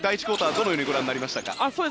どのようにご覧になりましたか。